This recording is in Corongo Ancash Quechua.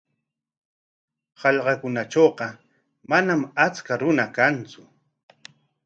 Hallqakunatrawqa manam achka runa kantsu.